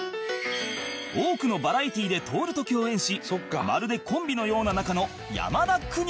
多くのバラエティーで徹と共演しまるでコンビのような仲の山田邦子